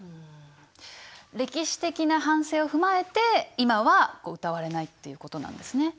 歴史的な反省を踏まえて今は歌われないっていうことなんですね。